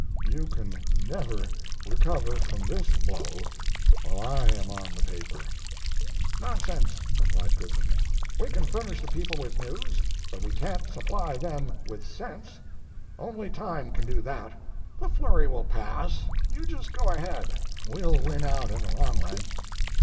You can never recover from this blow while I am on the paper." "Nonsense," replied Goodman. "We can furnish the people with news, but we can't supply them with sense. Only time can do that. The flurry will pass. You just go ahead. We'll win out in the long run."